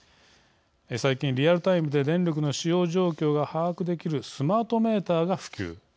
最近、リアルタイムで電力の使用状況が把握できるスマートメーターが普及。